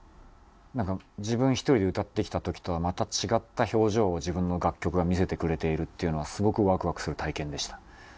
自分一人で歌ってきた時とはまた違った表情を自分の楽曲が見せてくれているっていうのはすごくワクワクする体験でした。